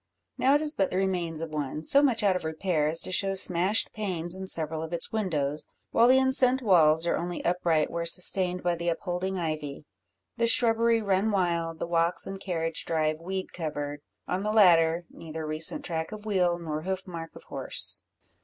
Now it is but the remains of one, so much out of repair as to show smashed panes in several of its windows, while the enceinte walls are only upright where sustained by the upholding ivy; the shrubbery run wild; the walks and carriage drive weed covered; on the latter neither recent track of wheel, nor hoof mark of horse.